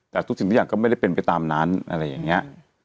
แต่ทุกสิ่งทุกอย่างก็ไม่ได้เป็นไปตามนั้นอะไรอย่างนี้